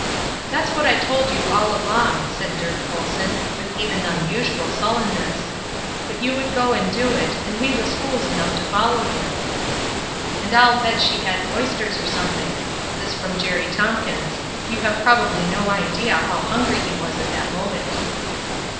"That's what I told you all along," said Dirk Colson, with even unusual sullenness, "but you would go and do it, and we was fools enough to follow you." "And I'll bet she had oysters or something!" This from Jerry Tompkins; you have probably no idea how hungry he was at that moment.